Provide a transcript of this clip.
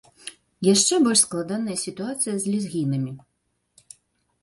Яшчэ больш складаная сітуацыя з лезгінамі.